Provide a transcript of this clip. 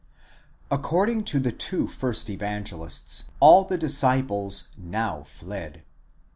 ° According to the two first Evangelists, all the disciples now fled.